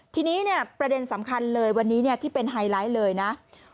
ทีนี้ประเด็นสำคัญเลยวันนี้ที่เป็นไฮไลท์เลยนะ